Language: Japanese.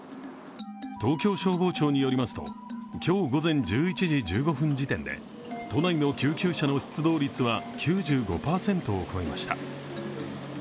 東京消防庁によりますと、今日午前１１時１５分時点で都内の救急車の出動率は９５％を超えました。